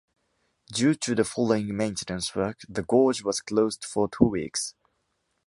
Due to the following maintenance work, the gorge was closed for two weeks.